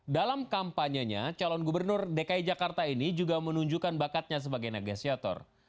dalam kampanyenya calon gubernur dki jakarta ini juga menunjukkan bakatnya sebagai negasiator